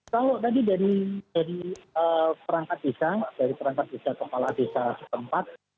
kalau tadi dari perangkat desa dari perangkat desa kepala desa setempat